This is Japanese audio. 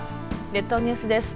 列島ニュースです。